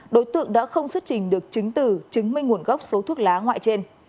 đối tượng đã không xuất trình được chứng tử chứng minh nguồn gốc số thuốc lá ngoại trên